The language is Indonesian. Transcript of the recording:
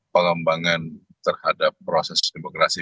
pengembangan terhadap proses demokrasi